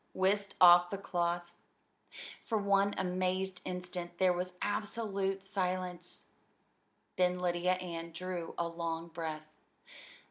whisked off the cloth. For one amazed instant there was absolute silence; then Lydia Ann drew a long breath.